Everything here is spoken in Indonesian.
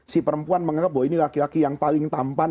si perempuan menganggap bahwa ini laki laki yang paling tampan